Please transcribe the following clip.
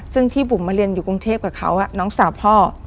ซึ่งที่บุ๋มมาเรียนอยู่กรุงเทพกับเขาน้องสาวพ่อ